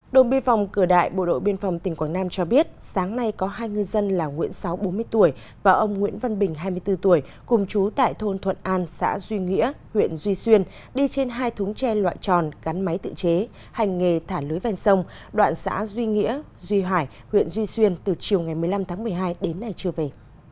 đồng biên phòng cửa đại bộ đội biên phòng tỉnh quảng nam cho biết sáng nay có hai người dân là nguyễn sáu bốn mươi tuổi và ông nguyễn văn bình hai mươi bốn tuổi cùng chú tại thôn thuận an xã duy nghĩa huyện duy xuyên đi trên hai thúng tre loại tròn gắn máy tự chế hành nghề thả lưới vành sông đoạn xã duy nghĩa duy hải huyện duy xuyên từ chiều ngày một mươi năm tháng một mươi hai đến nay chưa về